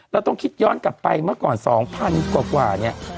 เราก็ต้องคิดย้อนกลับไปมาก่อน๒๐๐๐ค์กว่า